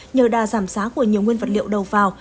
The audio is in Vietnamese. nhờ đà giảm giá của nhiều nguyên vật liệu đầu vào